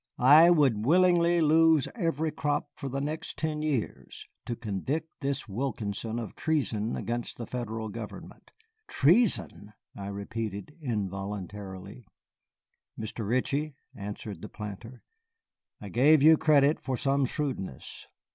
"I would willingly lose every crop for the next ten years to convict this Wilkinson of treason against the Federal government." "Treason!" I repeated involuntarily. "Mr. Ritchie," answered the planter, "I gave you credit for some shrewdness.